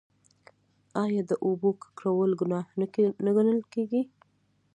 آیا د اوبو ککړول ګناه نه ګڼل کیږي؟